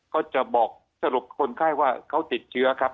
ก็จะบอกสรุปคนไข้ว่าเขาติดเชื้อครับ